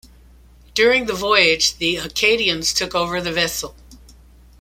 During the voyage, the Acadians took over the vessel.